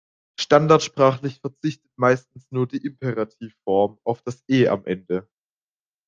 Standardsprachlich verzichtet meistens nur die Imperativform auf das E am Ende.